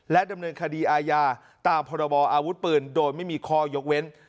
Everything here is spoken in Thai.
ดำเนินคดีอาญาตามพรบออาวุธปืนโดยไม่มีข้อยกเว้น